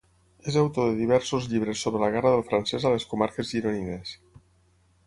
És autor de diversos llibres sobre la guerra del francès a les comarques gironines.